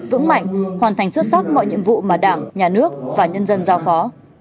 vững mạnh hoàn thành xuất sắc mọi nhiệm vụ mà đảng nhà nước và nhân dân giao phó